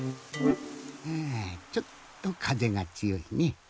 はぁちょっとかぜがつよいね。